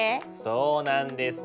そうなんですね